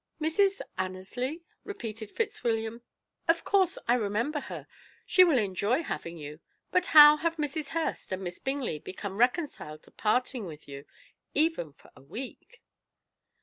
"Mrs. Annesley?" repeated Fitzwilliam; "of course I remember her; she will enjoy having you, but how have Mrs. Hurst and Miss Bingley become reconciled to parting with you even for a week?"